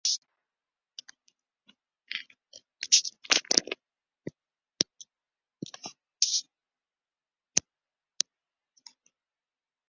Sit der mar net oer yn, wy sille dyn spul oer in minút oplade.